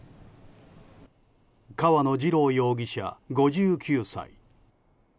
川野二郎容疑者、５９歳。